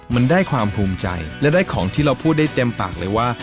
มันได้ความภูมิใจและได้ของที่เราพูดได้เต็มปากเลยว่า